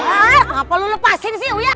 aduh apa lo lepasin sih uya